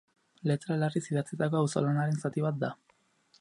Letra larriz idatzitako auzolanaren zati bat da.